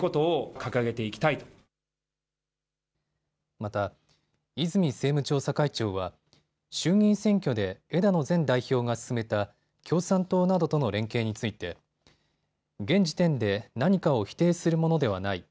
また、泉政務調査会長は衆議院選挙で枝野前代表が進めた共産党などとの連携について現時点で何かを否定するものではない。